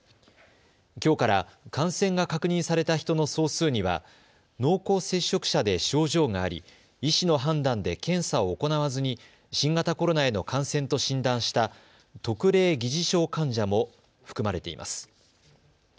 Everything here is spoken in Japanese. きょうから感染が確認された人の総数には濃厚接触者で症状があり医師の判断で検査を行わずに新型コロナへの感染と診断した特例疑似症患者も含まれています。